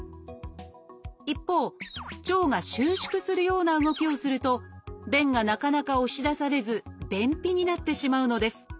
一方腸が収縮するような動きをすると便がなかなか押し出されず便秘になってしまうのです。